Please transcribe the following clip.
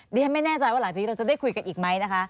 ดิฉันไม่แน่ใจว่าหลังจากนี้เราจะได้คุยกันอีกไหมนะคะ